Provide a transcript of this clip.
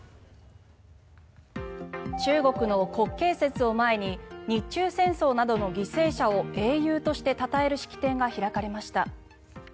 中国の国慶節を前に日中戦争などの犠牲者を英雄としてたたえる式典が開かれました。